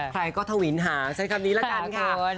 ใครก็ทวินหาใช้คำนี้ละกันค่ะ